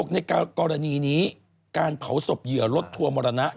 ในกรณีนี้การเผาศพเหยื่อรถทัวร์มรณะ